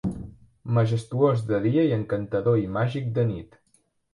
Majestuós de dia i encantador i màgic de nit.